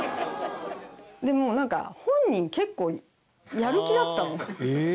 もうなんか本人結構やる気だったの。